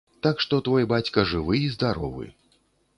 Так што твой бацька жывы і здаровы.